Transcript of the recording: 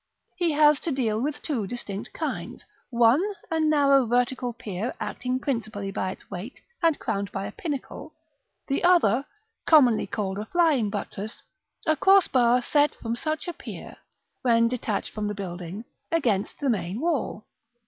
He has to deal with two distinct kinds; one, a narrow vertical pier, acting principally by its weight, and crowned by a pinnacle; the other, commonly called a Flying buttress, a cross bar set from such a pier (when detached from the building) against the main wall.